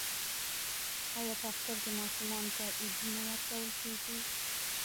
آیا په اختر کې ماشومانو ته ایډي نه ورکول کیږي؟